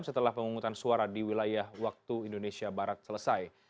setelah pemungutan suara di wilayah waktu indonesia barat selesai